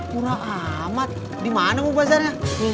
murah amat dimana mau bazarnya